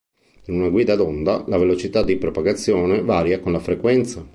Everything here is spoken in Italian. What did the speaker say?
In una guida d’onda, la velocità di propagazione varia con la frequenza.